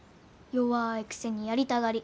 弱いくせにやりたがり。